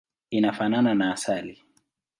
Inafanana na asali.